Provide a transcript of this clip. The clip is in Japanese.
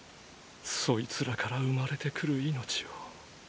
そいつらから生まれてくる命を。